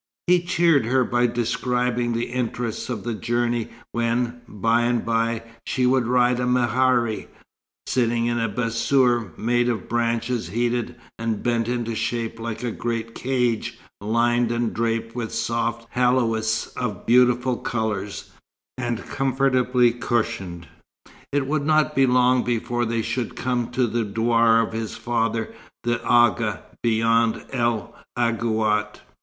He cheered her by describing the interest of the journey when, by and by, she would ride a mehari, sitting in a bassour, made of branches heated and bent into shape like a great cage, lined and draped with soft haoulis of beautiful colours, and comfortably cushioned. It would not be long now before they should come to the douar of his father the Agha, beyond El Aghouat.